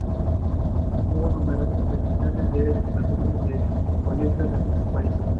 Hubo numerosas peticiones de fundación de colegios de muchos países.